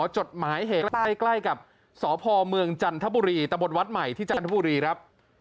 จดหมายเหตุใกล้กับสพเมืองจันทบุรีตะบนวัดใหม่ที่จันทบุรีครับ